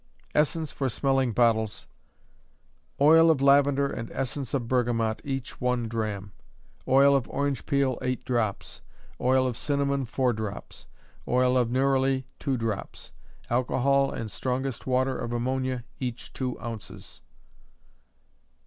Essence for Smelling Bottles. Oil of lavender and essence of bergamot, each one drachm; oil of orange peel, eight drops; oil of cinnamon, four drops; oil of neroli, two drops; alcohol and strongest water of ammonia, each two ounces.